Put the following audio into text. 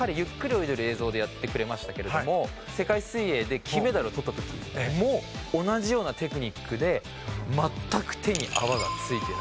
泳いでる映像でやってくれましたけれども世界水泳で金メダルを取った時も同じようなテクニックで全く手に泡が付いてないんです。